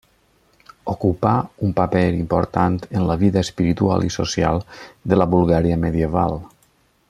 Ocupà un paper important en la vida espiritual i social de la Bulgària medieval.